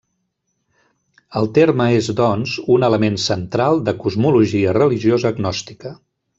El terme és, doncs, un element central de cosmologia religiosa gnòstica.